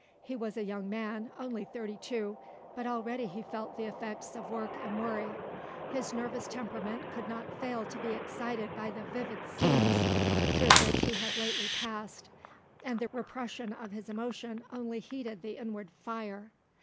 He was a young man, only thirty two, but already he felt the effects of work and worry. His nervous temperament could not fail to be excited by the vivid scenes through which he had lately passed, and the repression of his emotion only heated the inward fire.